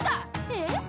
えっ？